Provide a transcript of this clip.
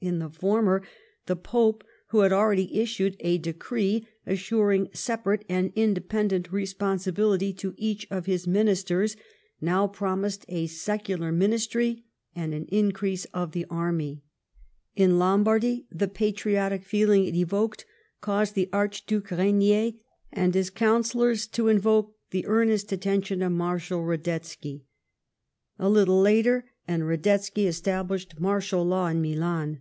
In the former, the Pope, who liad already issued a decree assuring separate and independent responsibility to each of his ministers, now promised a secular ministry and an increase of the army. In Lombardy the patriotic feeling it evoked caused the Archduke Rainier and his councillors to invoke the earnest attention of Marshal Radetzky. A little later, and Radetzky established martial law in Milan.